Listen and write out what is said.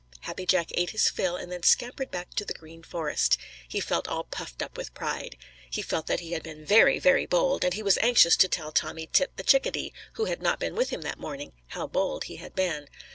Happy Jack ate his fill and then scampered back to the Green Forest. He felt all puffed up with pride. He felt that he had been very, very bold, and he was anxious to tell Tommy Tit the Chickadee, who had not been with him that morning, how bold he had been.